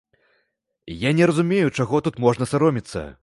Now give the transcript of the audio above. Я не разумею, чаго тут можна саромецца.